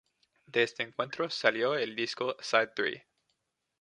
De este encuentro salió el disco "Side Three".